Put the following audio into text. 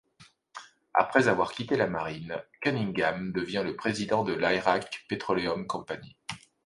Après avoir quitté la marine, Cunningham devient président de l'Iraq Petroleum Company.